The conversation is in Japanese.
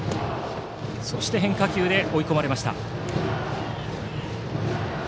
そして変化球で追い込まれました。